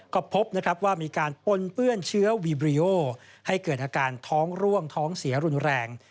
ก็พบนะครับว่ามีการปนเปื้อนเชื้อวีบริโอให้เกิดอาการท้องร่วงท้องเสียรุนแรง